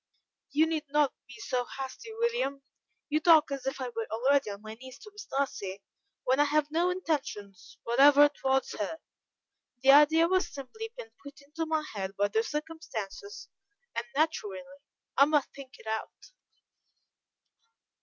"You need not be so hasty, William. You talk as if I were already on my knees to Miss Darcy, when I have no intentions whatever towards her; the idea has simply been put into my head by the circumstances, and naturally I must think it out."